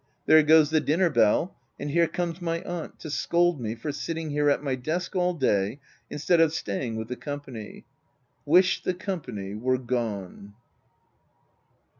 There goes the dinner bell — and here comes my aunt to scold me for sitting here at my desk all day, instead of staying with the company — I wish the company were— gone.